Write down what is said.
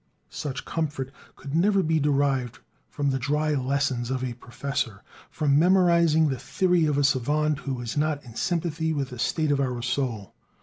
Such comfort could never be derived from the dry lesson of a professor, from memorizing the theory of a savant who is not in sympathy with the state of our soul.